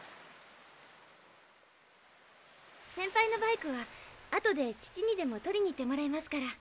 センパイのバイクは後で父にでも取りに行ってもらいますから。